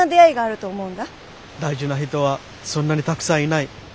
大事な人はそんなにたくさんいない。